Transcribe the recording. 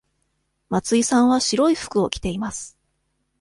松井さんは白い服を着ています。